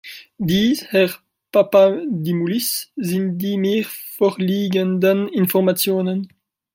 Dies, Herr Papadimoulis, sind die mir vorliegenden Informationen.